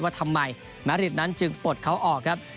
ว่าทำไมแมริดนั้นจึงปลดเขาออกครับ